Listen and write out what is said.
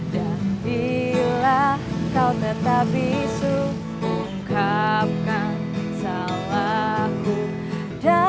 tapi aku benar benar baiknya kalau kamu satu lagu kerja